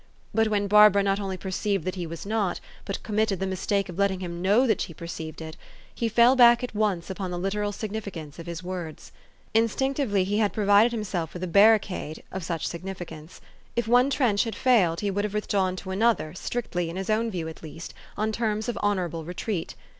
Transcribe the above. But when Barbara not only perceived that he was not, but committed the mistake of letting him know that she perceived it, he fell back at once upon the literal significance of his words. Instinctively he had provided him self with a barricade of such significance. If one trench had failed, he would have withdrawn to an other, strictly, in his own view at least, on terms of honorable retreat.